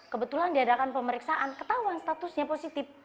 kebetulan diadakan pemeriksaan ketahuan statusnya positif